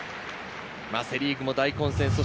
セ・リーグも大混戦。